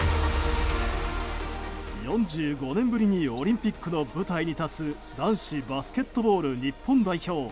４５年ぶりにオリンピックの舞台に立つ男子バスケットボール日本代表。